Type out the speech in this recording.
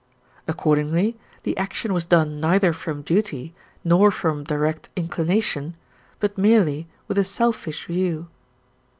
Accordingly the action was done neither from duty nor from direct inclination, but merely with a selfish view.